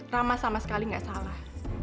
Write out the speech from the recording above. rama sama sekali gak salah